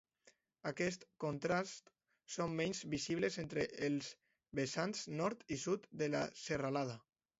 Aquests contrasts són menys visibles entre els vessants nord i sud de la serralada.